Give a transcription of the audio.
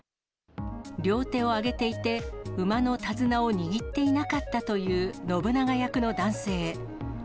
両手を上げていて、馬の手綱を握っていなかったという信長役の男性。